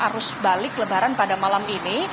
arus balik lebaran pada malam ini